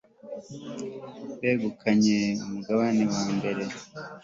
begukanye umugabane wa mbere